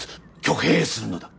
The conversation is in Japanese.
挙兵するのだ。